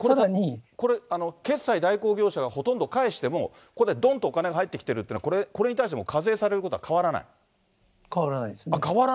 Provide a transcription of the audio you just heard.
これ、決済代行業者がほとんど返しても、ここでどんとお金が入ってきてるということは、これに対しても課税されることは変わ変わらないですね。